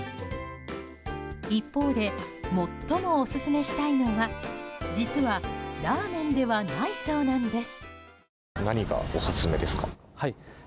一方で最もオススメしたいのは実は、ラーメンではないそうなんです。